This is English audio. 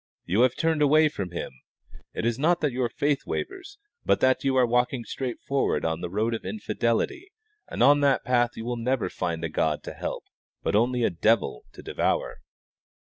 You have turned away from Him. It is not that your faith wavers, but that you are walking straight forward on the road of infidelity, and on that path you will never find a God to help, but only a devil to devour."